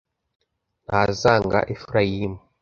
ntazanga Efurayimu